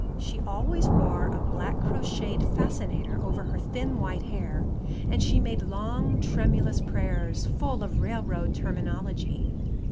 She always wore a black crocheted "fascinator" over her thin white hair, and she made long, tremulous prayers, full of railroad terminology.